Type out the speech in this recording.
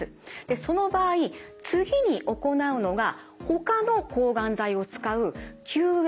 その場合次に行うのがほかの抗がん剤を使う救援